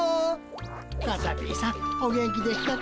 カタピーさんお元気でしたか。